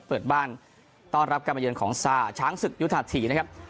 เปิดบ้านต้อนรับการมาเยินของซาช้างศึกยุทธีนะครับ